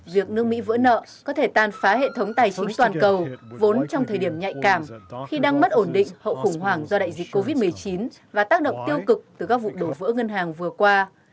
việc nước mỹ vỡ nợ có thể tàn phá hệ thống tài chính toàn cầu vốn trong thời điểm nhạy cảm khi đang mất ổn định hậu khủng hoảng do đại dịch covid một mươi chín và tác động tiêu cực từ các vụ đổ vỡ ngân hàng vừa qua